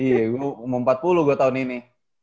iya gue mau empat puluh gue tahun ini